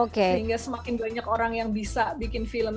sehingga semakin banyak orang yang bisa bikin film